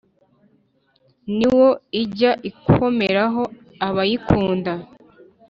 ni wo ijya ikomeraho abayikunda.